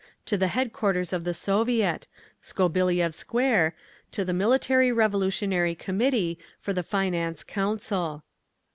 to the headquarters of the Soviet, Skobeliev Square, to the Military Revolutionary Committee, for the Finance Council.